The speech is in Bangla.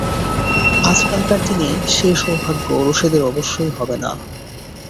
আজকালকার দিনে সেই সৌভাগ্য রশিদের অবশ্যই হবে না।